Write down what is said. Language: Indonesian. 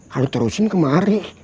kalau terusin kemarin